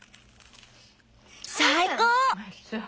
最高！